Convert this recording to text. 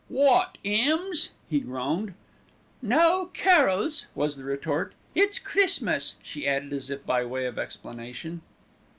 "Wot, 'ymns?" he groaned. "No, carols," was the retort. "It's Christmas," she added as if by way of explanation.